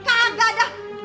eh lah kagak dah